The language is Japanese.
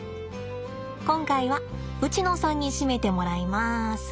今回はウチノさんにしめてもらいます。